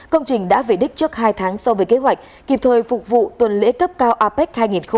công trình đã về đích trước hai tháng so với kế hoạch kịp thời phục vụ tuần lễ cấp cao apec hai nghìn hai mươi